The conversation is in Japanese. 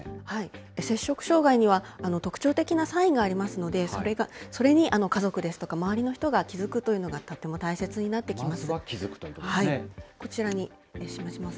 摂食障害には、特徴的なサインがありますので、それに家族ですとか、周りの人が気付くというのがとっても大切になってきます。